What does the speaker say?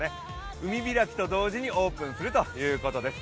海開きと同時にオープンするということです。